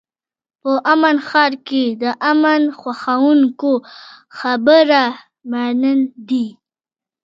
په امن ښار کې د امن خوښوونکو خبره منل دي.